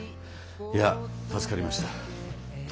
いや助かりました。